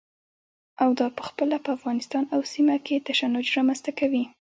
او دا پخپله په افغانستان او سیمه کې تشنج رامنځته کوي.